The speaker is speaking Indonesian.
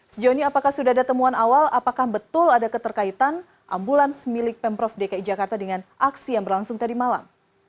sejauh ini apakah sudah ada temuan awal apakah betul ada keterkaitan ambulans milik pemprov dki jakarta dengan aksi yang berlangsung tadi malam